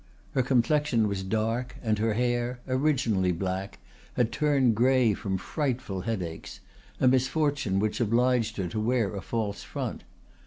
Her complexion was dark, and her hair, originally black, had turned gray from frightful headaches, a misfortune which obliged her to wear a false front.